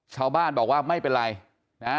ชาวบ้านบอกว่าไม่เป็นไรนะฮะ